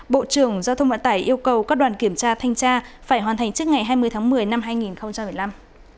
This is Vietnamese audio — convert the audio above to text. bộ trưởng giao thông vận tải yêu cầu các đoàn kiểm tra thanh tra phải hoàn thành trước ngày hai mươi tháng một mươi năm hai nghìn một mươi năm